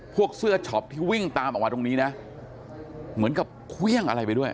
พวกเสื้อช็อปที่วิ่งตามออกมาตรงนี้นะเหมือนกับเครื่องอะไรไปด้วย